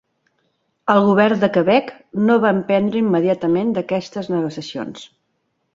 El govern de Quebec no va emprendre immediatament aquestes negociacions.